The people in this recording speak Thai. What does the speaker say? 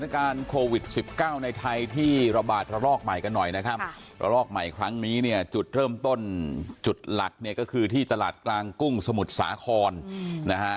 การโควิดสิบเก้าในไทยที่ระบาดระลอกใหม่กันหน่อยนะครับระลอกใหม่ครั้งนี้เนี่ยจุดเริ่มต้นจุดหลักเนี่ยก็คือที่ตลาดกลางกุ้งสมุทรสาครนะฮะ